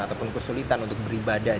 ataupun kesulitan untuk beribadah